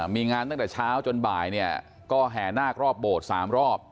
มีงานตั้งแต่เช้าจนบ่ายเนี่ยก็แห่นาครอบโบสถ์๓รอบ